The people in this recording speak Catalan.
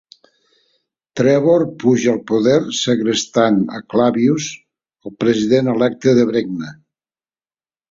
Trevor puja al poder segrestant a Clavius, el president electe de Bregna.